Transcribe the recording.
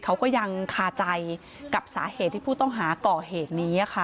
เขาก็ยังคาใจกับสาเหตุที่ผู้ต้องหาก่อเหตุนี้ค่ะ